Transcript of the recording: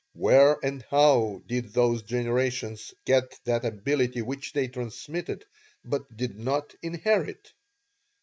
Where and how did those generations get that ability which they transmitted but did not inherit?"